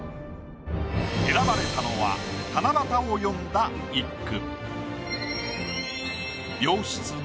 選ばれたのは七夕を詠んだ一句。